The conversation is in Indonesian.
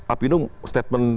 api nung statement